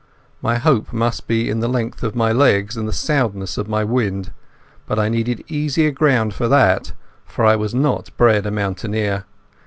My hope must be in the length of my legs and the soundness of my wind, but I needed easier ground for that, for I was not bred a mountaineer.